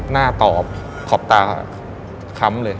หน้าตอบขอบตาค้ำเลย